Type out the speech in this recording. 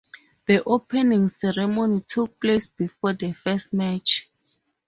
The opening ceremony took place before the first match.